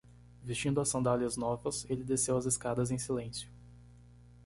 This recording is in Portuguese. Vestindo as sandálias novas, ele desceu as escadas em silêncio.